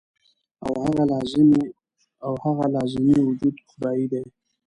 او هغه لازمي وجود خدائے دے -